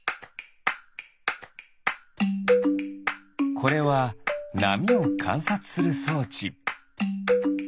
これはなみをかんさつするそうち。